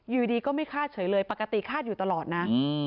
อยู่ดีก็ไม่คาดเฉยเลยปกติคาดอยู่ตลอดนะ